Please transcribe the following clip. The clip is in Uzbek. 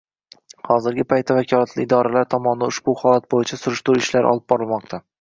Hozirgi paytda vakolatli idoralar tomonidan ushbu holat bo‘yicha surishtiruv ishlari olib borilmoqda